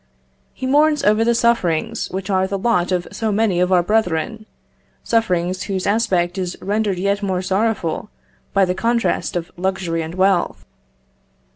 He mourns over the sufferings which are the lot of so many of our brethren, sufferings whose aspect is rendered yet more sorrowful by the contrast of luxury and wealth.